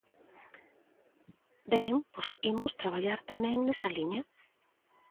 Ben, pois imos traballar tamén nesa liña.